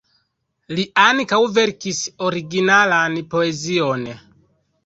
Li ankaŭ verkis originalan poezion.